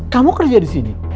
kamu kerja disini